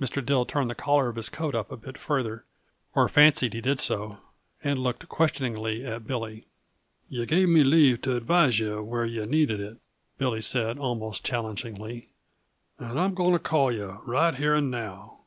Mr. Dill turned the collar of his coat up a bit farther or fancied he did so and looked questioningly at Billy. "Yuh gave me leave to advise yuh where yuh needed it," Billy said almost challengingly, "and I'm going to call yuh, right here and now.